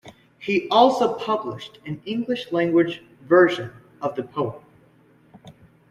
He also published an English-language version of the poem.